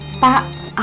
tidak tidak bisa